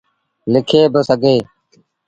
لکي با سگھيٚن۔